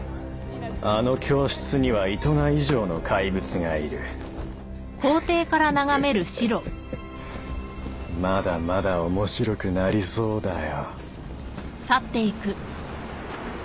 あの教室にはイトナ以上の怪物がいるフッフフフフまだまだ面白くなりそうだよ